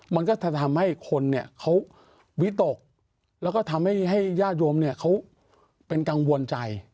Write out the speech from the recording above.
มันก็จะทำให้คนเนี่ยเขาวิตกแล้วก็ทำให้ญาติโยมเนี่ยเขาเป็นกังวลใจ